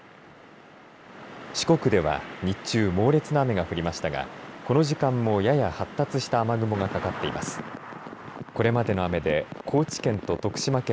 四国では日中猛烈な雨が降りましたがこの時間もやや発達した雨雲がかかっています。